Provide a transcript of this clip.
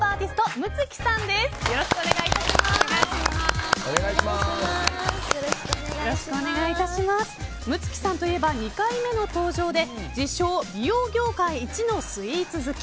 夢月さんといえば２回目の登場で自称美容業界一のスイーツ好き。